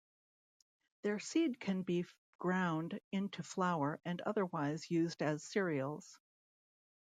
Their seed can be ground into flour and otherwise used as cereals.